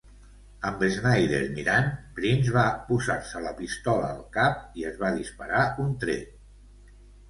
Amb Snyder mirant, Prinze va posar-se la pistola al cap i es va disparar un tret.